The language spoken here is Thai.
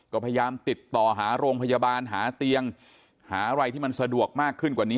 ก็พยายามติดต่อหาโรงพยาบาลหาเตียงหาอะไรที่มันสะดวกมากขึ้นกว่านี้